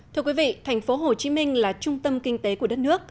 thưa quý vị thành phố hồ chí minh là trung tâm kinh tế của đất nước